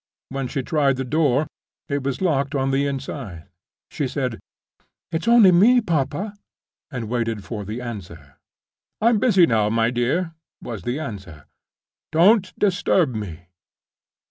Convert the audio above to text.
When she tried the door, it was locked on the inside. She said, "It's only me, papa;" and waited for the answer. "I'm busy now, my dear," was the answer. "Don't disturb me."